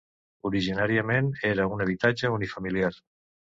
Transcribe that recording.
Originàriament era un habitatge unifamiliar.